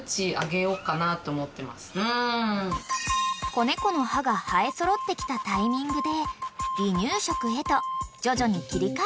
［子猫の歯が生え揃ってきたタイミングで離乳食へと徐々に切り替えていた］